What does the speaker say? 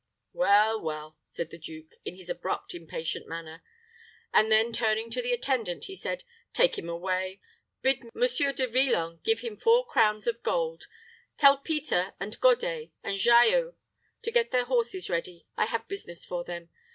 "Well, well," said the duke, in his abrupt, impatient manner; and then turning to the attendant, he said, "Take him away. Bid Monsieur De Villon give him four crowns of gold. Tell Peter, and Godet, and Jaillou to get their horses ready. I have business for them.